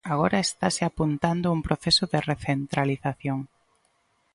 Agora estase apuntando un proceso de recentralización.